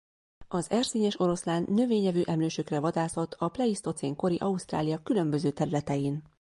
Az erszényes oroszlán növényevő emlősökre vadászott a pleisztocén kori Ausztrália különböző területein.